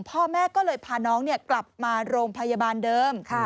พ่อแม่ก็เลยพาน้องกลับมาโรงพยาบาลเดิม